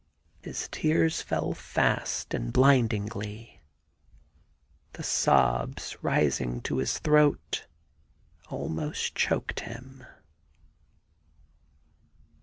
His tears fell fast and blindingly. The sobs rising to his throat almost choked him.